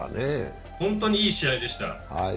本当にいい試合でした。